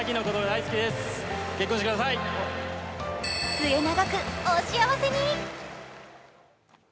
末永くお幸せに。